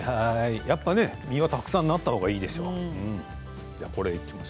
やっぱり実はたくさんなったほうがいいでしょう。